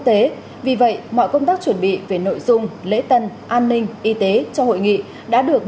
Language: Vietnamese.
tế vì vậy mọi công tác chuẩn bị về nội dung lễ tân an ninh y tế cho hội nghị đã được